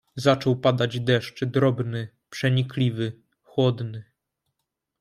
"Zaczął padać deszcz drobny, przenikliwy, chłodny."